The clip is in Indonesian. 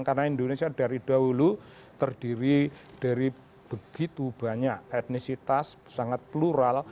karena indonesia dari dahulu terdiri dari begitu banyak etnisitas sangat plural